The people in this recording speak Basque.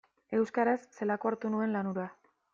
Euskaraz zelako hartu nuen lan hura.